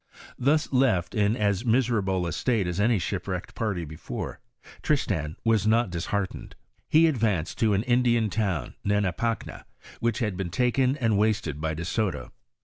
Thus left in as miserable a state as any shipwrecked party before, Tristan was not disheartened ; he advanced to an Indian town Hanipacna, which had been taken and wasted by De Soto.